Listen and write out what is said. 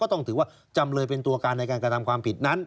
ต้องถือว่าจำเลยเป็นตัวการในการกระทำความผิดนั้น